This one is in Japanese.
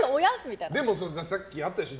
さっきあったでしょ